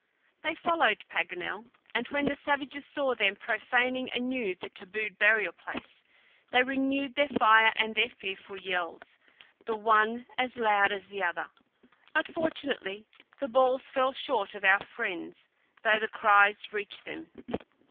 They followed Paganel, and when the savages saw them profaning anew the tabooed burial place, they renewed their fire and their fearful yells, the one as loud as the other. But fortunately the balls fell short of our friends, though the cries reached them.